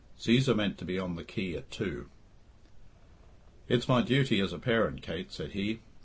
Cæsar meant to be on the quay at two. "It's my duty as a parent, Kate," said he.